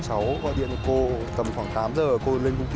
cháu qua điện cho cô tầm khoảng tám giờ cô lên công ty